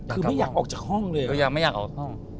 คือไม่อยากออกจากห้องเลยไม่อยากออกห้อง